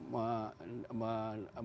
menggagas tentang dewan kerukuhan